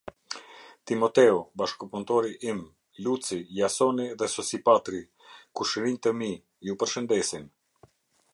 Timoteu, bashkëpunëtori im, Luci, Jasoni dhe Sosipatri, kushërinj të mi, ju përshendesin.